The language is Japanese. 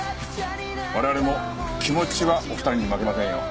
我々も気持ちはお二人に負けませんよ。